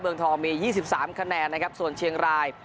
เมืองทองมี๒๓คะแนนนะครับ